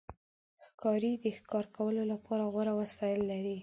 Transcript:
ښکاري د ښکار کولو لپاره غوره وسایل لري.